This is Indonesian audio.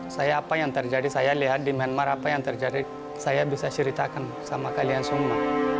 saya apa yang terjadi saya lihat di myanmar apa yang terjadi saya bisa ceritakan sama kalian semua